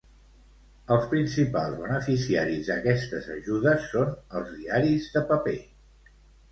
Els principals beneficiaris d'aquestes ajudes són els diaris de paper.